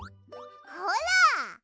ほら！